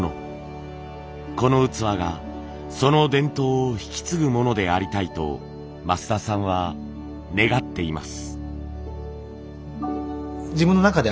この器がその伝統を引き継ぐものでありたいと増田さんは願っています。